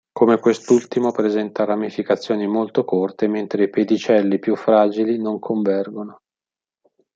Come quest'ultimo, presenta ramificazioni molto corte, mentre i pedicelli, più fragili, non convergono.